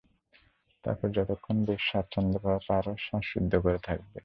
তারপর যতক্ষণ বেশ স্বচ্ছন্দভাবে পার, শ্বাস রুদ্ধ করে থাকবে।